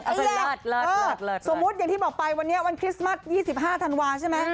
สมมุติอย่างที่บอกไปวันนี้วันคริสต์มัส๒๕ธันวาใช่ไหม